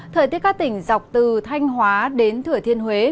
thời tiết các tỉnh dọc từ thanh hóa đến thừa thiên huế